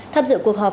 tham dự cuộc họp